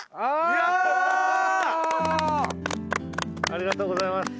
ありがとうございます。